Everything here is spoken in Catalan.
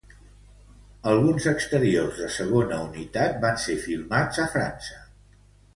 Alguns exteriors de segona unitat van ser filmats a França.